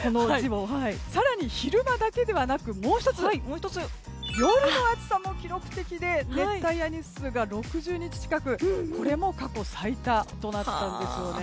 更に、昼間だけではなく夜の暑さも記録的で熱帯夜日数が６０日近くこれも過去最多となったんです。